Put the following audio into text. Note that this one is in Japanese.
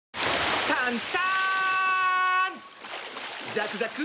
ザクザク！